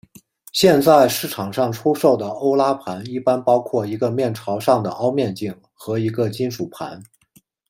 现在市场上出售的欧拉盘一般包括一个面朝上的凹面镜和一个金属盘。